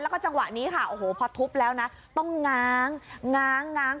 แล้วก็จังหวะนี้ค่ะโอ้โหพอทุบแล้วนะต้องง้างง้าง้าง